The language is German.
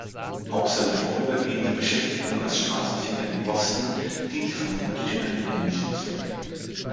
Auch seine vorübergehende Beschäftigung als Straßenfeger in Boston diente vermutlich einem ähnlichen Zweck.